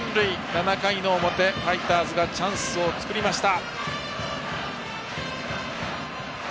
７回の表、ファイターズがチャンスを作りました。